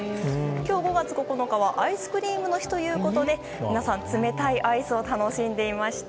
今日５月９日はアイスクリームの日ということで皆さん、冷たいアイスを楽しんでいました。